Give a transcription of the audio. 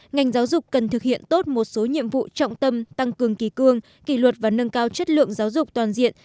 ngành giáo dục cần thực hiện tốt một số nhiệm vụ trọng tâm tăng cường kỳ cương kỳ luật và nâng cao chất lượng giáo dục toàn diện